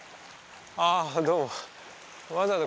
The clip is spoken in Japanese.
あどうも。